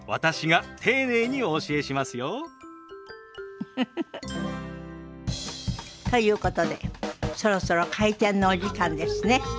ウフフフ。ということでそろそろ開店のお時間ですね。